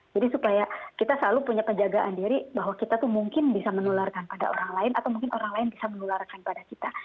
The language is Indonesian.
jadi supaya kita selalu punya penjagaan diri bahwa kita tuh mungkin bisa menularkan pada orang lain atau mungkin orang lain bisa menularkan pada kita